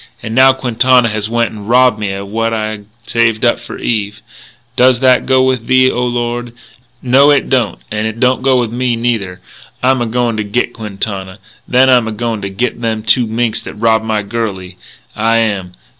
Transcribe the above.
And now Quintana has went and robbed me of what I'd saved up for Eve.... Does that go with Thee, O Lord? No, it don't. And it don't go with me, neither. I'm a goin' to git Quintana. Then I'm a goin' to git them two minks that robbed my girlie, I am!...